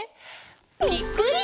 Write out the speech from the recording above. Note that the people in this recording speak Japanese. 「ぴっくり！